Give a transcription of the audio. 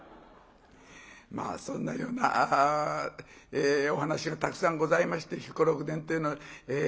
まあそんなようなお噺がたくさんございまして「彦六伝」というの。